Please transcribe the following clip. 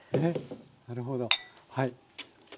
なるほどはい。